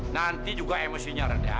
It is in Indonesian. nanti juga emosinya rendah